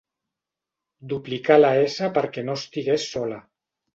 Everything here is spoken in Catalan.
Duplicà la essa perquè no estigués sola.